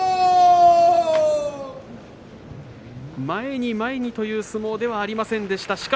前に前にという相撲ではありませんでした。